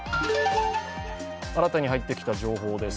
新たに入ってきた情報です。